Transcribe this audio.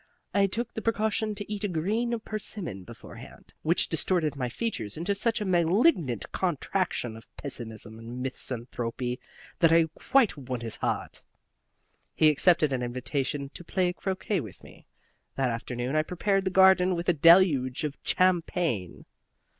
I took the precaution to eat a green persimmon beforehand, which distorted my features into such a malignant contraction of pessimism and misanthropy that I quite won his heart. He accepted an invitation to play croquet with me. That afternoon I prepared the garden with a deluge of champagne.